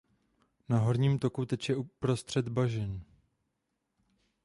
Na horním toku teče uprostřed bažin.